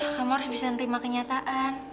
kamu harus bisa nerima kenyataan